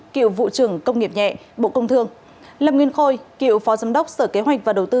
kiệu vụ trưởng công nghiệp nhẹ bộ công thương lâm nguyên khôi cựu phó giám đốc sở kế hoạch và đầu tư